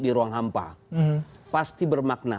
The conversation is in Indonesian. di ruang hampa pasti bermakna